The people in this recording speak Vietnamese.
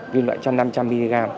viên loại chăn năm trăm linh mg